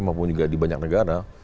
maupun juga di banyak negara